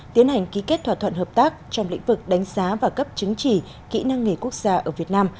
tiến hành ký kết thỏa thuận hợp tác trong lĩnh vực đánh giá và cấp chứng chỉ kỹ năng nghề quốc gia ở việt nam